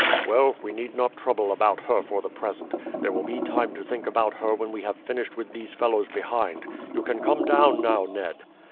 "Well, we need not trouble about her for the present; there will be time to think about her when we have finished with these fellows behind. You can come down now, Ned."